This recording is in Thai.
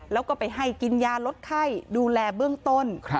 แล้วก็ไปให้กินยาลดไข้ดูแลเบื้องต้น